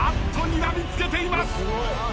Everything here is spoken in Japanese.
にらみ付けています。